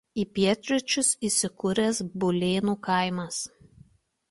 Į pietryčius įsikūręs Bulėnų kaimas.